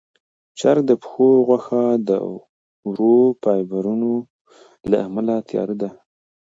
چرګ د پښو غوښه د ورو فایبرونو له امله تیاره ده.